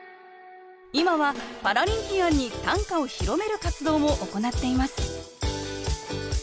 今はパラリンピアンに短歌を広める活動も行っています